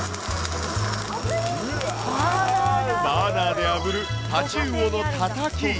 バーナーであぶる太刀魚のたたき。